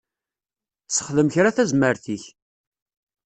Sexdem kra tazmert-ik.